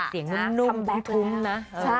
เสียงนุ่มทุ้มนะ